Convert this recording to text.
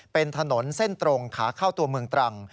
เป็นถนนเส้นตรงขาเข้าตัวเมืองตรัง